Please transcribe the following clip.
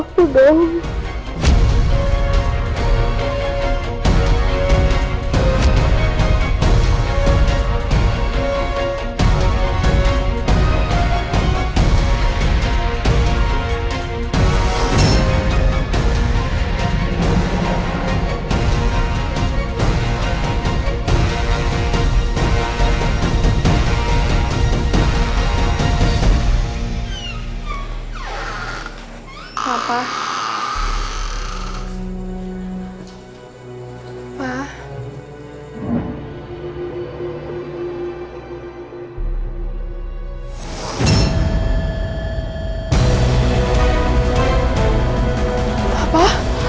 papa jangan tinggalin clara